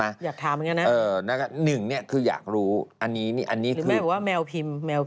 อยากถามเหมือนกันนะหนึ่งเนี่ยคืออยากรู้อันนี้นี่อันนี้คือแม่บอกว่าแมวพิมพ์แมว